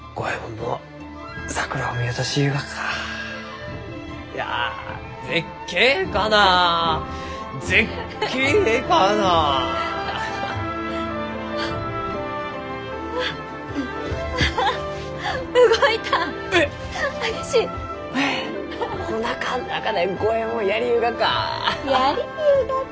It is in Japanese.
のうやりゆうがか。